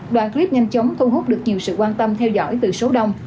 đoạn clip nhanh chóng thu hút được nhiều sự quan tâm theo dõi từ số đông